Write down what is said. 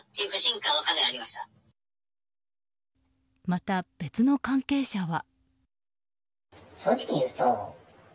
また別の関係者は。